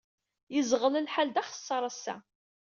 Yeẓɣel lḥal d axeṣṣar ass-a.